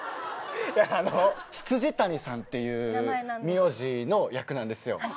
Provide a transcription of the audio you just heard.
いや未谷さんっていう名字の役なんですよ。